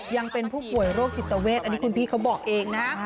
ยังเป็นผู้ป่วยโรคจิตเวทอันนี้คุณพี่เขาบอกเองนะ